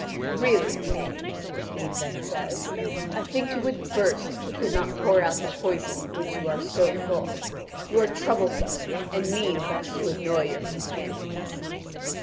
"Really, Kay," the Queen then says, "I think you would burst if you could not pour out the poison of which you are so full. You are troublesome and mean thus to annoy your companions."